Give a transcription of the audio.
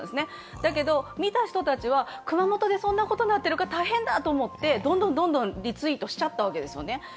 だけど見た人たちは、熊本でそんなことになってるなら大変だと思ってどんどんリツイートしちゃったわけですね。